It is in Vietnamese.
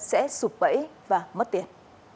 sẽ sụp bẫy và mất tiền